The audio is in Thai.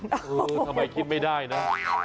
เออทำไมคิดไม่ได้นะ